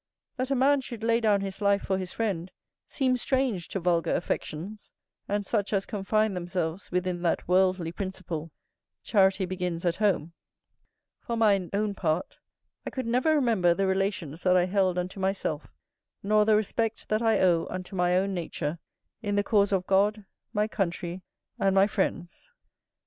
That a man should lay down his life for his friend seems strange to vulgar affections and such as confine themselves within that worldly principle, "Charity begins at home." For mine own part, I could never remember the relations that I held unto myself, nor the respect that I owe unto my own nature, in the cause of God, my country, and my friends.